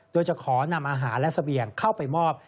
โดยจะขอนำอาหารและเสบียงเข้าไปมอบ